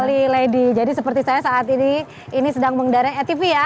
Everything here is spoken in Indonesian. habis sekali lady jadi seperti saya saat ini ini sedang mengendalikan tv ya